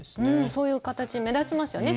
そういう形目立ちますよね。